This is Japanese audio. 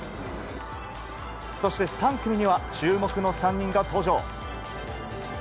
そして、３組には注目の３人が登場。